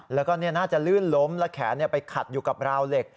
แล้วก็น่าจะลื่นล้มและแขนไปขัดอยู่กับราวเหล็ก